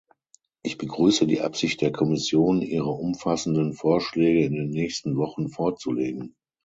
Ich begrüße die Absicht der Kommission, ihre umfassenden Vorschläge in den nächsten Wochen vorzulegen.